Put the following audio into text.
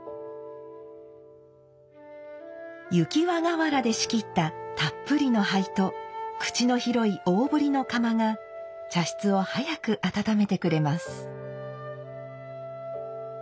雪輪瓦で仕切ったたっぷりの灰と口の広い大ぶりの釜が茶室を早く温めてくれます。